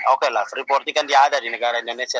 oke lah freeporting kan dia ada di negara indonesia